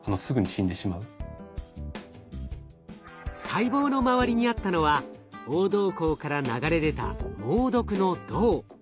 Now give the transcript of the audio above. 細胞の周りにあったのは黄銅鉱から流れ出た猛毒の銅。